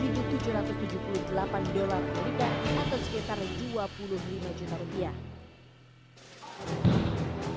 rp tujuh ratus tujuh puluh delapan dolar amerika atau sekitar dua puluh lima juta rupiah